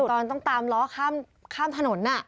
โอเคต้องน้องตามร้อข้ามข้ามถนนแน่